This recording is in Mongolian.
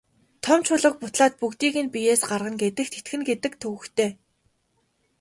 Том чулууг бутлаад бүгдийг нь биеэс гаргана гэдэгт итгэнэ гэдэг төвөгтэй.